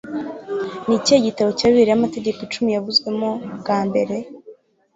Ni ikihe gitabo cya Bibiliya Amategeko Icumi yavuzwe mo bwa mbere?